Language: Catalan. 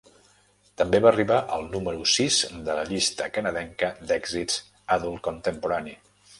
També va arribar al número sis de la llista canadenca d'èxits Adult Contemporary.